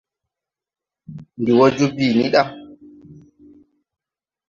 Ndi wɔ joo bii ni da.